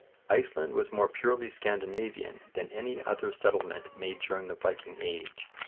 Iceland was more purely Scandinavian than any other settlement made during the Viking age.